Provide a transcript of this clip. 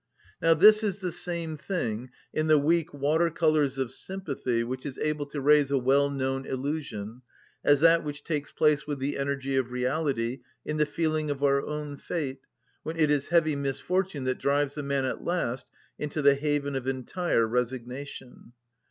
Now this is the same thing, in the weak water‐colours of sympathy which is able to raise a well‐known illusion, as that which takes place with the energy of reality in the feeling of our own fate when it is heavy misfortune that drives the man at last into the haven of entire resignation.